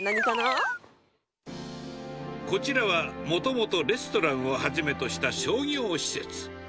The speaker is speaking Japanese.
こちらは、もともとレストランをはじめとした商業施設。